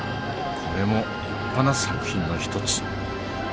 これも立派な作品の一つ。